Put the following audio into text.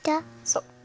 そう。